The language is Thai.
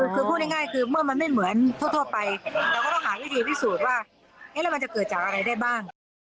คือพูดง่ายคือเมื่อมันไม่เหมือนทั่วไปเราก็ต้องหาวิธีพิสูจน์ว่าแล้วมันจะเกิดจากอะไรได้บ้าง